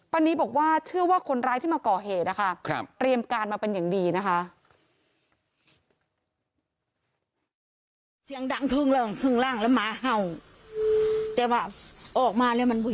ป้านิบอกว่าเชื่อว่าคนร้ายที่มาเกาะเหตุนะครับ